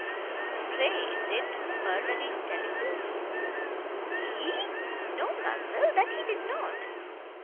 "Pray did Barnardine tell you this?" "He! No, ma'amselle, that he did not."